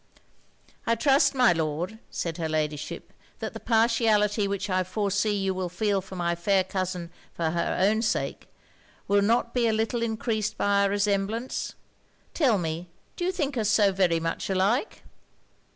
'I trust, my Lord,' said her Ladyship, 'that the partiality which I foresee you will feel for my fair cousin for her own sake, will not be a little encreased by our resemblance. Tell me, do you think us so very much alike?'